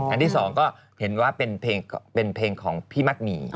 อันที่๒ก็เห็นว่าเป็นเพลงเป็นเพลงของพี่มัธน์หมี่